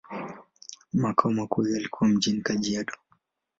Makao makuu yalikuwa mjini Kajiado.